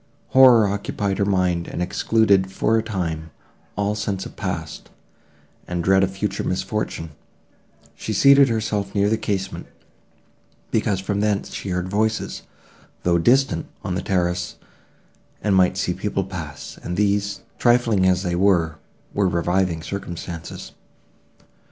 Horror occupied her mind, and excluded, for a time, all sense of past, and dread of future misfortune: she seated herself near the casement, because from thence she heard voices, though distant, on the terrace, and might see people pass, and these, trifling as they were, were reviving circumstances.